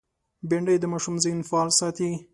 بېنډۍ د ماشوم ذهن فعال ساتي